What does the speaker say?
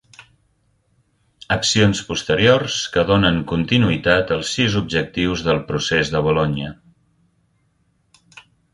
Accions posteriors que donen continuïtat als sis objectius del Procés de Bolonya